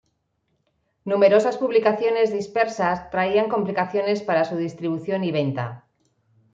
Numerosas publicaciones dispersas traían complicaciones para su distribución y venta.